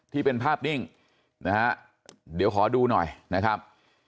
ที่เป็นภาพนิ่งนะฮะเดี๋ยวขอดูหน่อยนะครับ